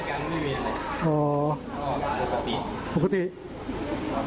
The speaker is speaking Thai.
อันนี้ไม่รู้ไม่รู้อะไรไม่รู้